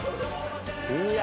いや。